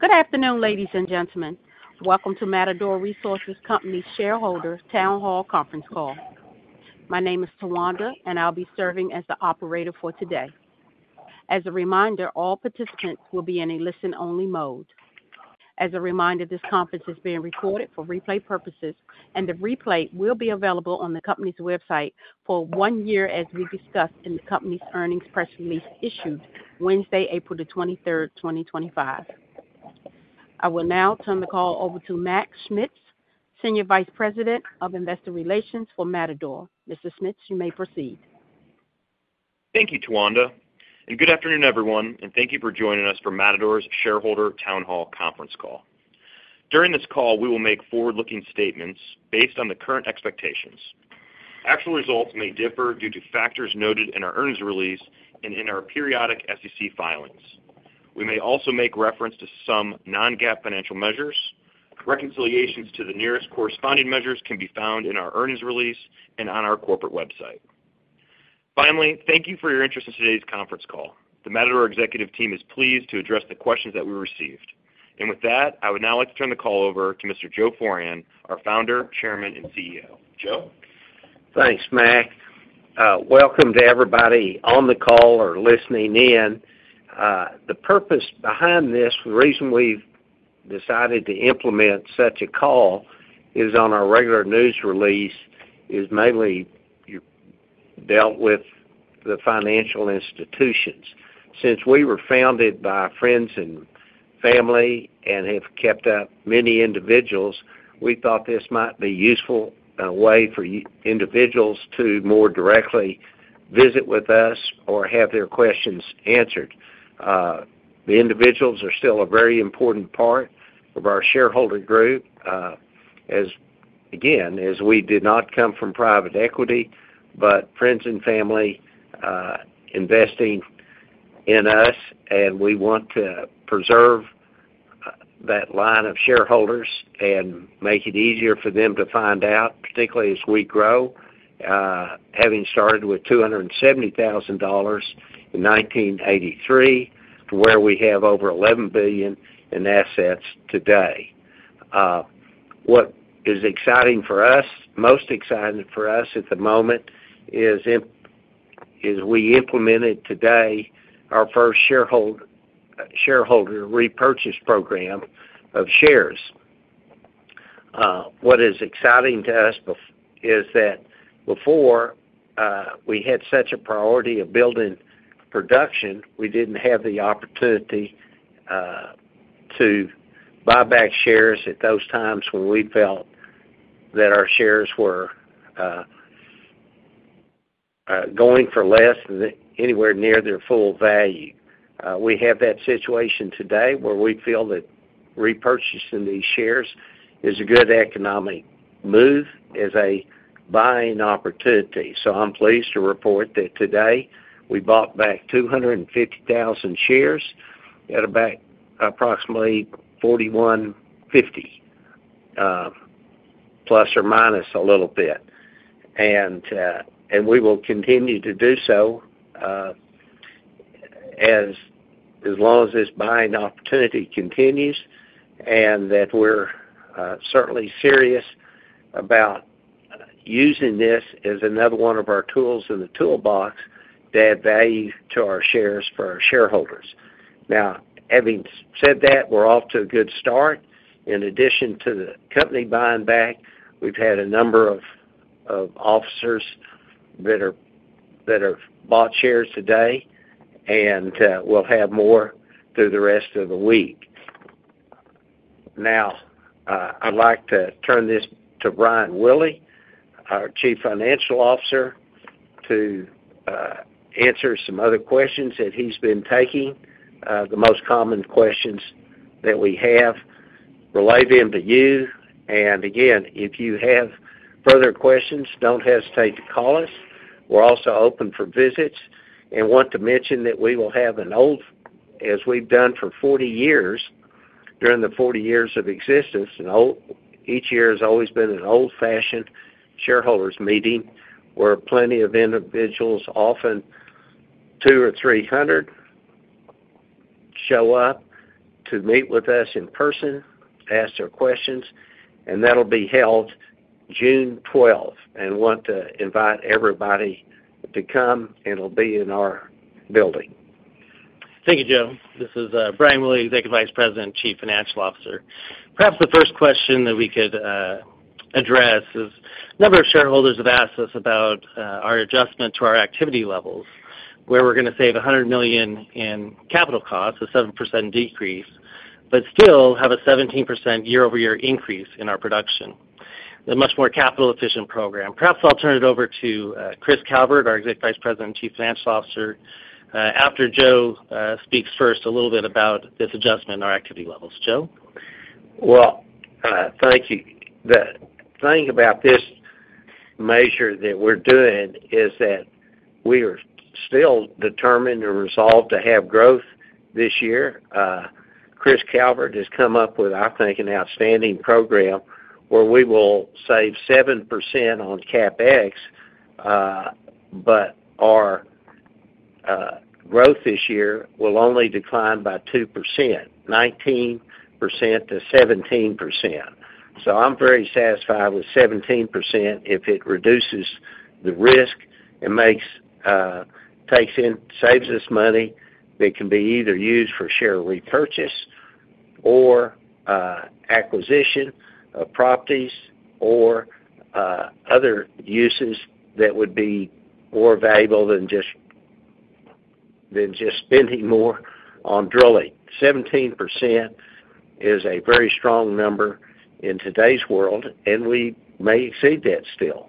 Good afternoon, ladies and gentlemen. Welcome to Matador Resources Company's shareholder town hall conference call. My name is Tawanda, and I'll be serving as the operator for today. As a reminder, all participants will be in a listen-only mode. As a reminder, this conference is being recorded for replay purposes, and the replay will be available on the company's website for one year, as we discussed in the company's earnings press release issued Wednesday, April 23, 2025. I will now turn the call over to Mac Schmitz, Senior Vice President of Investor Relations for Matador. Mr. Schmitz, you may proceed. Thank you, Tawanda. Good afternoon, everyone, and thank you for joining us for Matador's shareholder town hall conference call. During this call, we will make forward-looking statements based on the current expectations. Actual results may differ due to factors noted in our earnings release and in our periodic SEC filings. We may also make reference to some non-GAAP financial measures. Reconciliations to the nearest corresponding measures can be found in our earnings release and on our corporate website. Finally, thank you for your interest in today's conference call. The Matador executive team is pleased to address the questions that we received. With that, I would now like to turn the call over to Mr. Joe Foran, our Founder, Chairman, and CEO. Joe. Thanks, Mac. Welcome to everybody on the call or listening in. The purpose behind this, the reason we've decided to implement such a call is on our regular news release, is mainly dealt with the financial institutions. Since we were founded by friends and family and have kept up many individuals, we thought this might be a useful way for individuals to more directly visit with us or have their questions answered. The individuals are still a very important part of our shareholder group. Again, we did not come from private equity, but friends and family investing in us, and we want to preserve that line of shareholders and make it easier for them to find out, particularly as we grow, having started with $270,000 in 1983 to where we have over $11 billion in assets today. What is exciting for us, most exciting for us at the moment, is we implemented today our first shareholder repurchase program of shares. What is exciting to us is that before we had such a priority of building production, we did not have the opportunity to buy back shares at those times when we felt that our shares were going for less than anywhere near their full value. We have that situation today where we feel that repurchasing these shares is a good economic move, is a buying opportunity. I am pleased to report that today we bought back 250,000 shares at about approximately $41.50, plus or minus a little bit. We will continue to do so as long as this buying opportunity continues and that we are certainly serious about using this as another one of our tools in the toolbox to add value to our shares for our shareholders. Now, having said that, we're off to a good start. In addition to the company buying back, we've had a number of officers that have bought shares today, and we'll have more through the rest of the week. Now, I'd like to turn this to Brian Willey, our Chief Financial Officer, to answer some other questions that he's been taking. The most common questions that we have relate to him and to you. If you have further questions, don't hesitate to call us. We're also open for visits. I want to mention that we will have an old, as we've done for 40 years, during the 40 years of existence, each year has always been an old-fashioned shareholders' meeting where plenty of individuals, often two or three hundred, show up to meet with us in person, ask their questions, and that'll be held June 12th. I want to invite everybody to come, and it'll be in our building. Thank you, Joe. This is Brian Willey, Executive Vice President, Chief Financial Officer. Perhaps the first question that we could address is a number of shareholders have asked us about our adjustment to our activity levels, where we're going to save $100 million in capital costs, a 7% decrease, but still have a 17% year-over-year increase in our production. A much more capital-efficient program. Perhaps I'll turn it over to Chris Calvert, our Executive Vice President and Chief Financial Officer, after Joe speaks first a little bit about this adjustment in our activity levels. Joe? Think about this measure that we're doing is that we are still determined and resolved to have growth this year. Chris Calvert has come up with, I think, an outstanding program where we will save 7% on CapEx, but our growth this year will only decline by 2%, 19% to 17%. I am very satisfied with 17% if it reduces the risk and takes in, saves us money that can be either used for share repurchase or acquisition of properties or other uses that would be more valuable than just spending more on drilling. 17% is a very strong number in today's world, and we may exceed that still.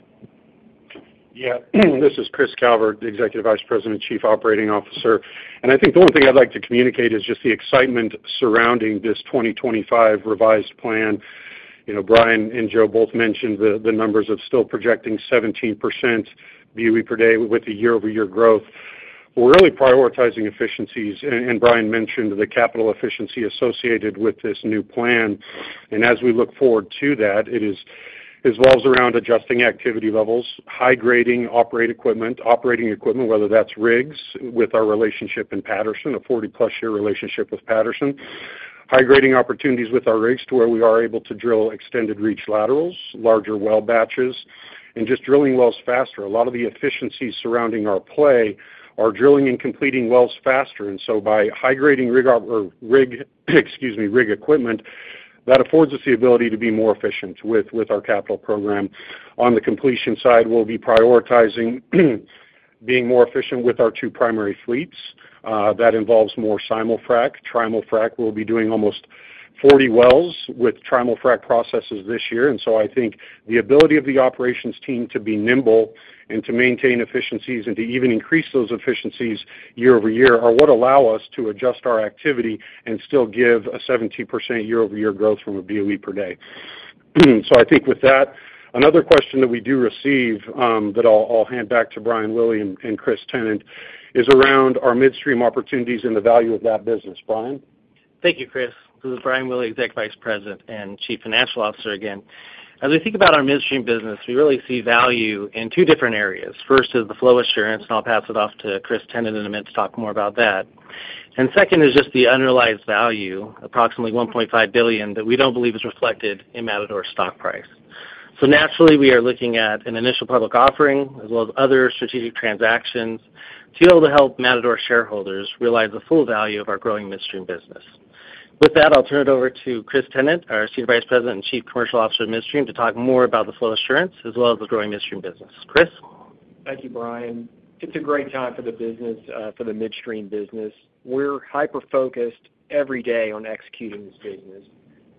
Yeah. This is Chris Calvert, Executive Vice President, Chief Operating Officer. I think the one thing I'd like to communicate is just the excitement surrounding this 2025 revised plan. Brian and Joe both mentioned the numbers of still projecting 17% BOE per day with the year-over-year growth. We're really prioritizing efficiencies, and Brian mentioned the capital efficiency associated with this new plan. As we look forward to that, it involves around adjusting activity levels, high-grading operating equipment, operating equipment, whether that's rigs with our relationship in Patterson, a 40+ year relationship with Patterson, high-grading opportunities with our rigs to where we are able to drill extended reach laterals, larger well batches, and just drilling wells faster. A lot of the efficiencies surrounding our play are drilling and completing wells faster. By high-grading rig equipment, that affords us the ability to be more efficient with our capital program. On the completion side, we'll be prioritizing being more efficient with our two primary fleets. That involves more simul-frac. Trimal-frac, we'll be doing almost 40 wells with trimul-frac processes this year. I think the ability of the operations team to be nimble and to maintain efficiencies and to even increase those efficiencies year-over-year are what allow us to adjust our activity and still give a 17% year-over-year growth from a BUE per day. I think with that, another question that we do receive that I'll hand back to Brian Willey and Chris Tennant is around our midstream opportunities and the value of that business. Brian? Thank you, Chris. This is Brian Willey, Executive Vice President and Chief Financial Officer again. As we think about our midstream business, we really see value in two different areas. First is the flow assurance, and I'll pass it off to Chris Tennant in a minute to talk more about that. Second is just the underlying value, approximately $1.5 billion, that we don't believe is reflected in Matador's stock price. Naturally, we are looking at an initial public offering as well as other strategic transactions to be able to help Matador shareholders realize the full value of our growing midstream business. With that, I'll turn it over to Chris Tennant, our Executive Vice President and Chief Commercial Officer of Midstream, to talk more about the flow assurance as well as the growing midstream business. Chris? Thank you, Brian. It's a great time for the business, for the midstream business. We're hyper-focused every day on executing this business.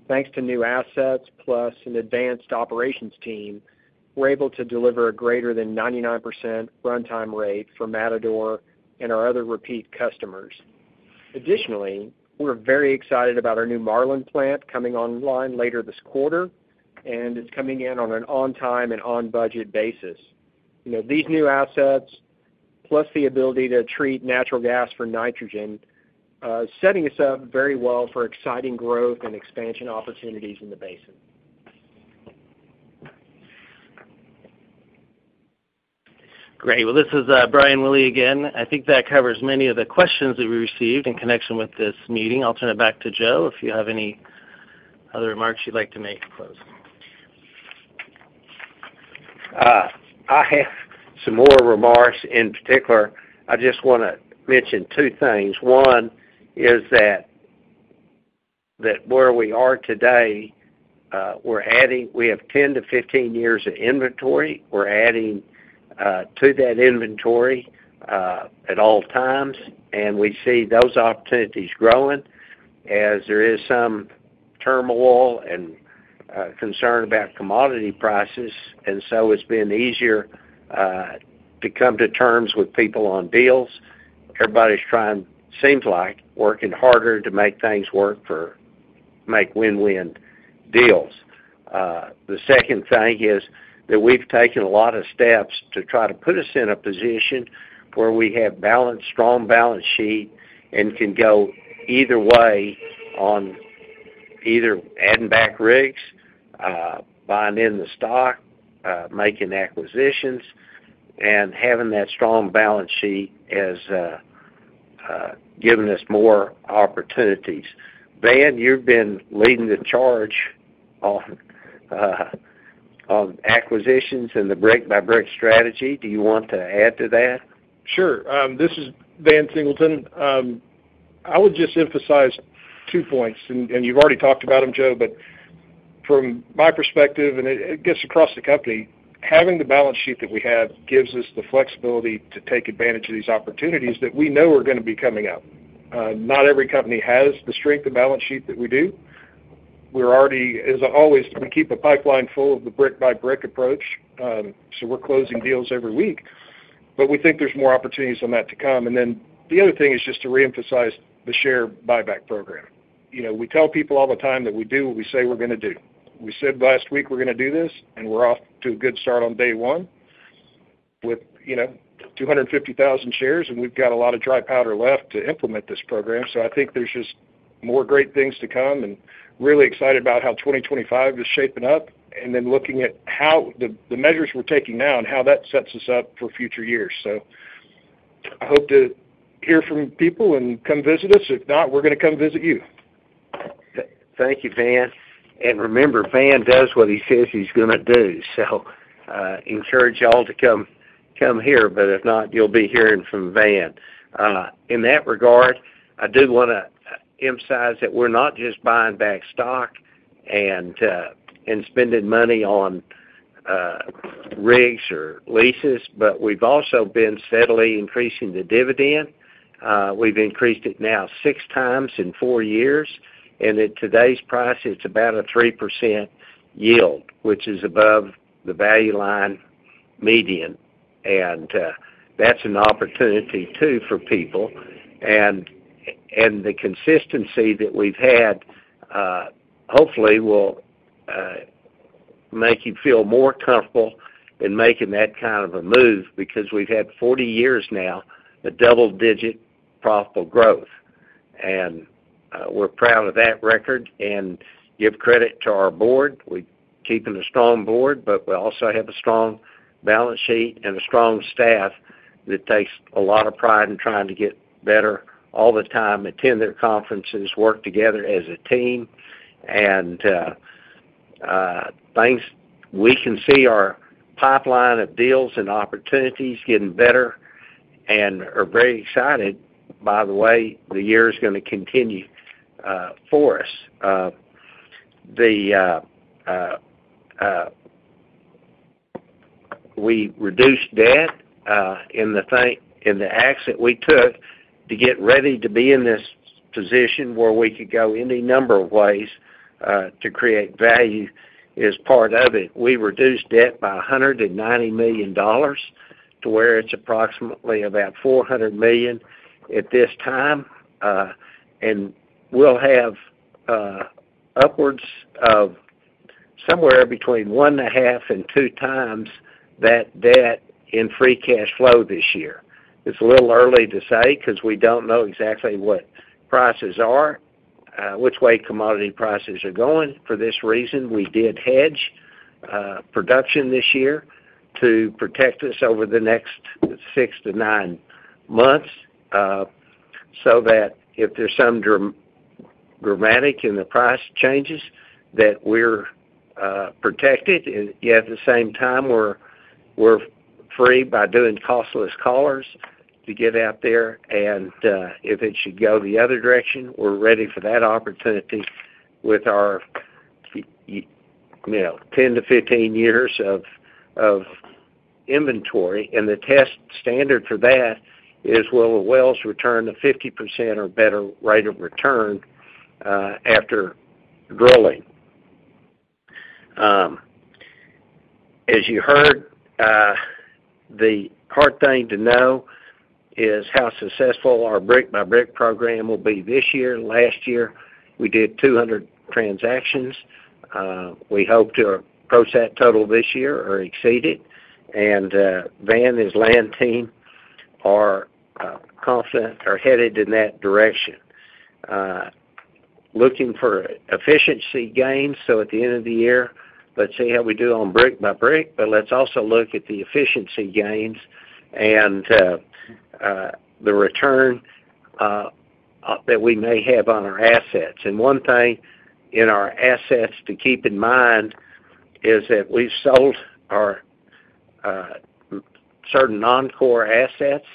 Thanks to new assets, plus an advanced operations team, we're able to deliver a greater than 99% runtime rate for Matador and our other repeat customers. Additionally, we're very excited about our new Marlin plant coming online later this quarter, and it's coming in on an on-time and on-budget basis. These new assets, plus the ability to treat natural gas for nitrogen, are setting us up very well for exciting growth and expansion opportunities in the basin. Great. This is Brian Willey again. I think that covers many of the questions that we received in connection with this meeting. I'll turn it back to Joe if you have any other remarks you'd like to make before closing. I have some more remarks. In particular, I just want to mention two things. One is that where we are today, we have 10-15 years of inventory. We're adding to that inventory at all times, and we see those opportunities growing as there is some turmoil and concern about commodity prices. It's been easier to come to terms with people on deals. Everybody's trying, seems like, working harder to make things work for, make win-win deals. The second thing is that we've taken a lot of steps to try to put us in a position where we have a strong balance sheet and can go either way on either adding back rigs, buying in the stock, making acquisitions, and having that strong balance sheet has given us more opportunities. Van, you've been leading the charge on acquisitions and the brick-by-brick strategy. Do you want to add to that? Sure. This is Van Singleton. I would just emphasize two points, and you've already talked about them, Joe, but from my perspective, and I guess across the company, having the balance sheet that we have gives us the flexibility to take advantage of these opportunities that we know are going to be coming up. Not every company has the strength of balance sheet that we do. We're already, as always, we keep a pipeline full of the brick-by-brick approach, so we're closing deals every week. We think there's more opportunities on that to come. The other thing is just to reemphasize the share buyback program. We tell people all the time that we do what we say we're going to do. We said last week we're going to do this, and we're off to a good start on day one with 250,000 shares, and we've got a lot of dry powder left to implement this program. I think there's just more great things to come and really excited about how 2025 is shaping up and then looking at how the measures we're taking now and how that sets us up for future years. I hope to hear from people and come visit us. If not, we're going to come visit you. Thank you, Van. Remember, Van does what he says he's going to do. I encourage y'all to come here, but if not, you'll be hearing from Van. In that regard, I do want to emphasize that we're not just buying back stock and spending money on rigs or leases, but we've also been steadily increasing the dividend. We've increased it now six times in four years, and at today's price, it's about a 3% yield, which is above the Value Line median. That's an opportunity too for people. The consistency that we've had hopefully will make you feel more comfortable in making that kind of a move because we've had 40 years now of double-digit profitable growth. We're proud of that record. Give credit to our board. We're keeping a strong board, but we also have a strong balance sheet and a strong staff that takes a lot of pride in trying to get better all the time, attend their conferences, work together as a team. We can see our pipeline of deals and opportunities getting better and are very excited, by the way, the year is going to continue for us. We reduced debt in the action we took to get ready to be in this position where we could go any number of ways to create value is part of it. We reduced debt by $190 million to where it's approximately about $400 million at this time. We'll have upwards of somewhere between one and a half and two times that debt in free cash flow this year. It's a little early to say because we don't know exactly what prices are, which way commodity prices are going. For this reason, we did hedge production this year to protect us over the next six to nine months so that if there's some dramatic in the price changes, that we're protected. Yet at the same time, we're free by doing costless collars to get out there. If it should go the other direction, we're ready for that opportunity with our 10-15 years of inventory. The test standard for that is, well, the wells return a 50% or better rate of return after drilling. As you heard, the hard thing to know is how successful our brick-by-brick program will be this year. Last year, we did 200 transactions. We hope to approach that total this year or exceed it. Van and his land team are confident, are headed in that direction. Looking for efficiency gains so at the end of the year, let's see how we do on brick-by-brick, but let's also look at the efficiency gains and the return that we may have on our assets. One thing in our assets to keep in mind is that we've sold our certain non-core assets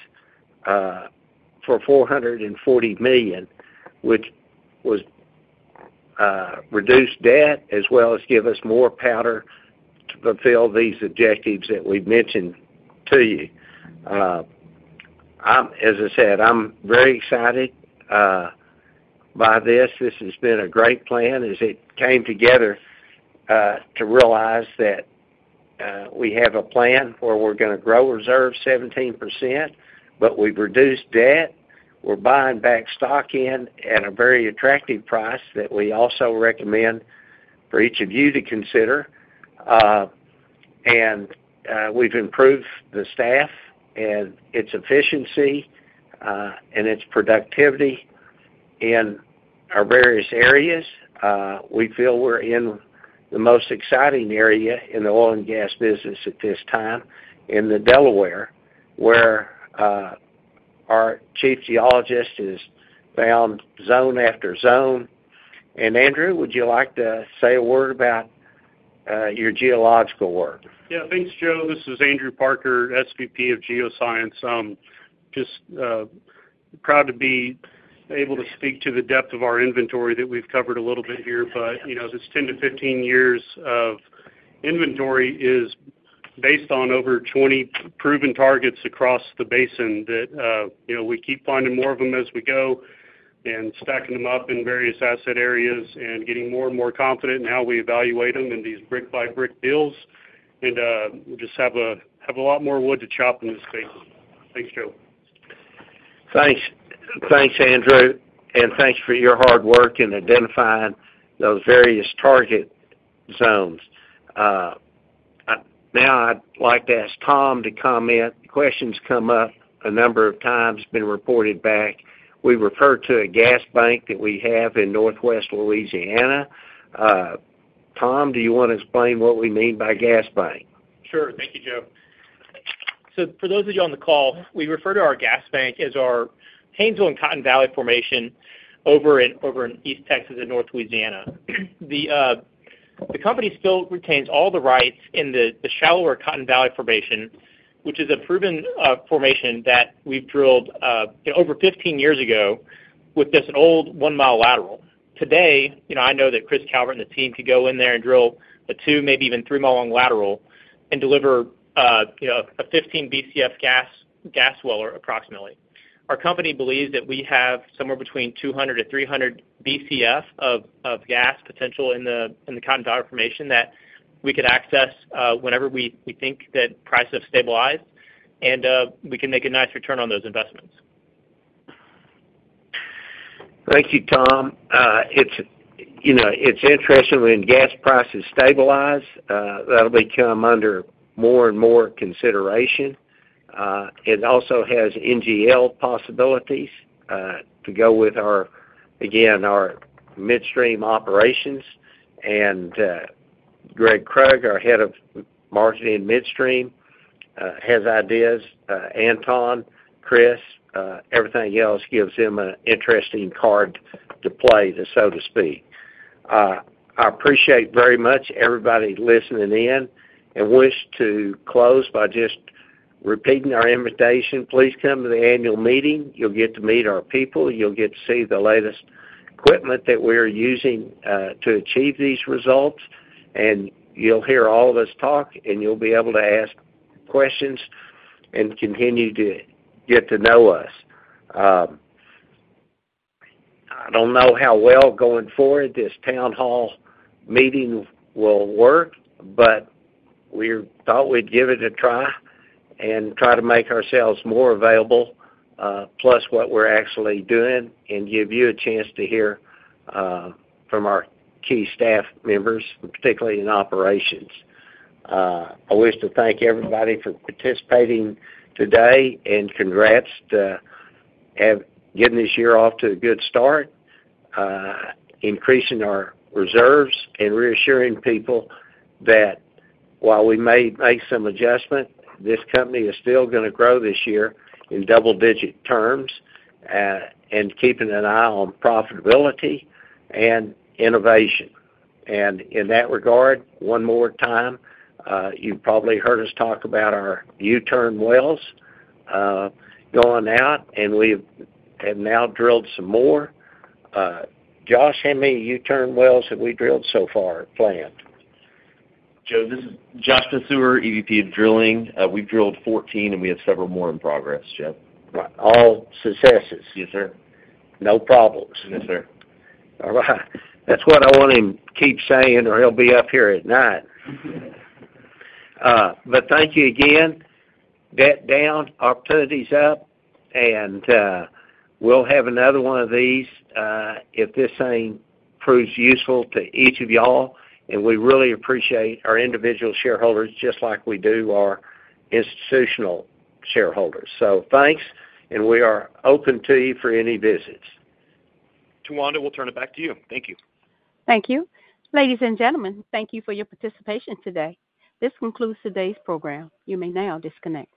for $440 million, which has reduced debt as well as given us more powder to fulfill these objectives that we've mentioned to you. As I said, I'm very excited by this. This has been a great plan as it came together to realize that we have a plan where we're going to grow reserves 17%, but we've reduced debt. We're buying back stock in at a very attractive price that we also recommend for each of you to consider. We have improved the staff and its efficiency and its productivity in our various areas. We feel we are in the most exciting area in the oil and gas business at this time in the Delaware where our chief geologist has found zone after zone. Andrew, would you like to say a word about your geological work? Yeah. Thanks, Joe. This is Andrew Parker, SVP of Geoscience. Just proud to be able to speak to the depth of our inventory that we've covered a little bit here. This 10-15 years of inventory is based on over 20 proven targets across the basin that we keep finding more of them as we go and stacking them up in various asset areas and getting more and more confident in how we evaluate them in these brick-by-brick deals. We just have a lot more wood to chop in this space. Thanks, Joe. Thanks. Thanks, Andrew. Thanks for your hard work in identifying those various target zones. Now, I'd like to ask Tom to comment. Questions come up a number of times. Been reported back. We refer to a gas bank that we have in Northwest Louisiana. Tom, do you want to explain what we mean by gas bank? Sure. Thank you, Joe. For those of you on the call, we refer to our gas bank as our Haynesville and Cotton Valley Formation over in East Texas and North Louisiana. The company still retains all the rights in the shallower Cotton Valley Formation, which is a proven formation that we drilled over 15 years ago with this old 1 mi lateral. Today, I know that Chris Calvert and the team could go in there and drill a 2 mi, maybe even 3 mi-long lateral and deliver a 15 BCF gas well or approximately. Our company believes that we have somewhere between 200-300 BCF of gas potential in the Cotton Valley Formation that we could access whenever we think that prices have stabilized, and we can make a nice return on those investments. Thank you, Tom. It's interesting when gas prices stabilize, that'll become under more and more consideration. It also has NGL possibilities to go with, again, our midstream operations. And Gregg Krug, our head of marketing midstream, has ideas. Anton, Chris, everything else gives him an interesting card to play, so to speak. I appreciate very much everybody listening in and wish to close by just repeating our invitation. Please come to the annual meeting. You'll get to meet our people. You'll get to see the latest equipment that we're using to achieve these results. You'll hear all of us talk, and you'll be able to ask questions and continue to get to know us. I don't know how well going forward this town hall meeting will work, but we thought we'd give it a try and try to make ourselves more available, plus what we're actually doing, and give you a chance to hear from our key staff members, particularly in operations. I wish to thank everybody for participating today and congrats to getting this year off to a good start, increasing our reserves, and reassuring people that while we may make some adjustment, this company is still going to grow this year in double-digit terms and keeping an eye on profitability and innovation. In that regard, one more time, you've probably heard us talk about our U-Turn wells going out, and we have now drilled some more. Josh, how many U-Turn wells have we drilled so far planned? Joe, this is Joshua Passauer, EVP of Drilling. We've drilled 14, and we have several more in progress, Joe. All successes. Yes, sir. No problems. Yes, sir. All right. That's what I want him to keep saying, or he'll be up here at night. Thank you again. Debt down, opportunities up, and we'll have another one of these if this thing proves useful to each of y'all. We really appreciate our individual shareholders just like we do our institutional shareholders. Thanks, and we are open to you for any visits. Tawanda, we'll turn it back to you. Thank you. Thank you. Ladies and gentlemen, thank you for your participation today. This concludes today's program. You may now disconnect.